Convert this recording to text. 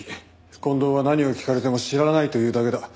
近藤は何を聞かれても知らないと言うだけだ。